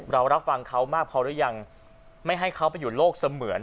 เรารับฟังเขามากพอหรือยังไม่ให้เขาไปอยู่โลกเสมือน